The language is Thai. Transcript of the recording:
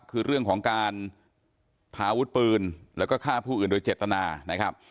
คือเรื่องของการพาอาวุธปืนแล้วก็ฆ่าผู้อื่นโดยเจตนานะครับ